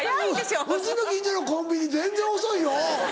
うちの近所のコンビニ全然遅いよ。